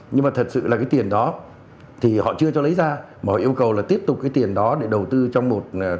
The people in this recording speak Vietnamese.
nhưng mà thật sự là cái tiền đó thì họ chưa cho lấy ra mà yêu cầu là tiếp tục cái tiền đó để đầu tư trong một